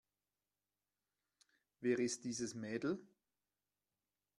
Wer ist dieses Mädel?